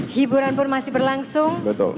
hiburan pun masih berlangsung